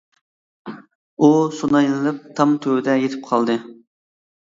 ئۇ سۇنايلىنىپ تام تۈۋىدە يېتىپ قالدى.